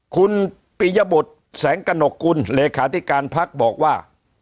คุณปียบุตรแสงกระหนกกุลเลขาธิการพักบอกว่า